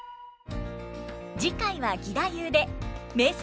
次回は義太夫で名作